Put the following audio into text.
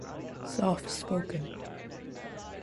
Soft spoken.